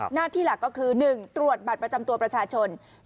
หน้าที่หลักก็คือ๑ตรวจบัตรประจำตัวประชาชน